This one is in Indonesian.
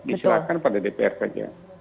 disilakan pada dpr saja